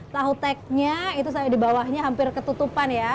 tahu teknya itu sampai di bawahnya hampir ketutupan ya